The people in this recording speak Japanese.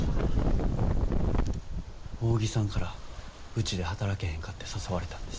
扇さんからうちで働けへんかて誘われたんです。